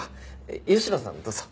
吉野さんどうぞ。